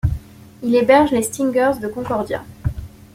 Il héberge les Stingers de Concordia.